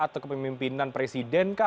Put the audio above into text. atau kepemimpinan presiden kah